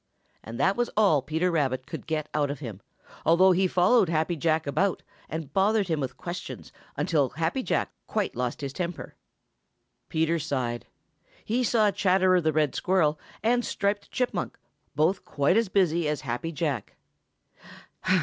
And that was all Peter Rabbit could get out of him, although he followed Happy Jack about and bothered him with questions until Happy Jack quite lost his temper. Peter sighed. He saw Chatterer the Red Squirrel and Striped Chipmunk both quite as busy as Happy Jack.